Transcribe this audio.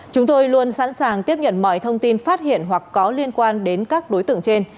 chúng tôi luôn sẵn sàng tiếp nhận mọi thông tin phát hiện hoặc có liên quan đến các đối tượng trên